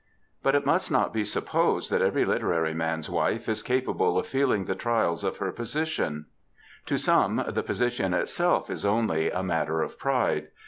But it must not be supposed that every literary man's wife is capable of feeling the trials of her position ; to some the position itself b only a matter of pride.